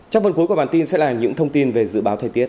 trong phần cuối của bản tin sẽ là những thông tin về dự báo thời tiết